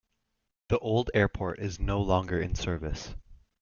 The old airport is no longer in service.